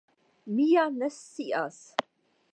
Mi ja ne scias.